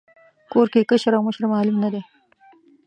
کور کې کشر او مشر معلوم نه دی.